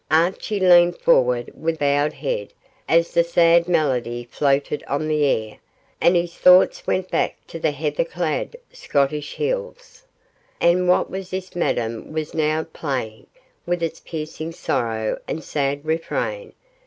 Archie leaned forward with bowed head as the sad melody floated on the air, and his thoughts went back to the heather clad Scottish hills. And what was this Madame was now playing, with its piercing sorrow and sad refrain?